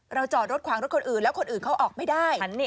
จอดรถขวางรถคนอื่นแล้วคนอื่นเขาออกไม่ได้